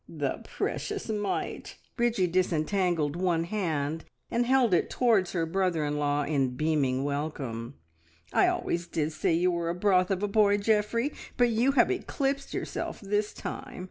"The precious mite!" Bridgie disentangled one hand and held it towards her brother in law in beaming welcome. "I always did say you were a broth of a boy, Geoffrey, but you have eclipsed yourself this time.